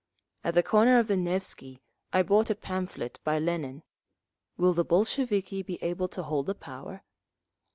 At the corner of the Nevsky I bought a pamphlet by Lenin, "Will the Bolsheviki be Able to Hold the Power?"